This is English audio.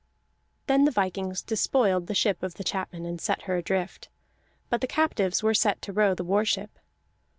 Then the vikings despoiled the ship of the chapmen and set her adrift, but the captives were set to row the war ship.